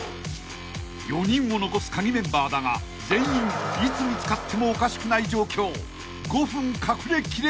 ［４人も残すカギメンバーだが全員いつ見つかってもおかしくない状況］